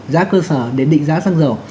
giá cơ sở để định giá sang dầu